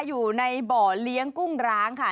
อยู่ในบ่อเลี้ยงกุ้งร้างค่ะ